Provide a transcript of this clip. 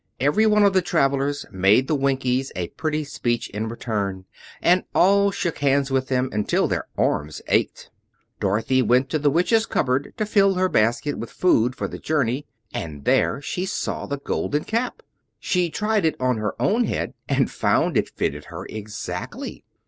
Every one of the travelers made the Winkies a pretty speech in return, and all shook hands with them until their arms ached. Dorothy went to the Witch's cupboard to fill her basket with food for the journey, and there she saw the Golden Cap. She tried it on her own head and found that it fitted her exactly.